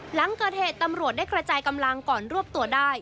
หลังเกิดเหตุตำรวจได้กระจายกำลังก่อนรวบตัวได้